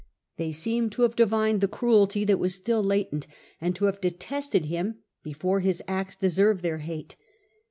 They seemed to have divined the cruelty that was still latent, and to have detested him before his acts deserved their hate.